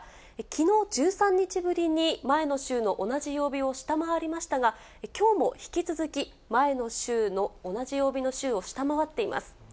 きのう、１３日ぶりに前の週の同じ曜日を下回りましたが、きょうも引き続き前の週の同じ曜日の週を下回っています。